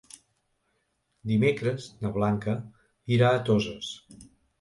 Dimecres na Blanca irà a Toses.